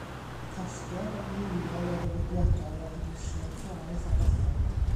Casgliad amrywiol o ddywediadau a hanesion ffraeth a bachog.